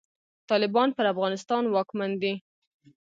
طالبان پر افغانستان واکمن دی.